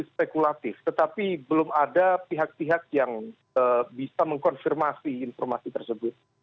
spekulatif tetapi belum ada pihak pihak yang bisa mengkonfirmasi informasi tersebut